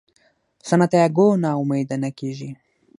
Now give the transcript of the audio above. سانتیاګو نا امیده نه کیږي.